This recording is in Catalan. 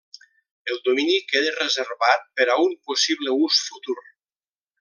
El domini queda reservat per a un possible ús futur.